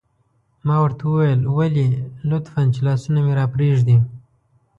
ما ورته وویل: ولې؟ لطفاً، چې لاسونه مې را پرېږدي.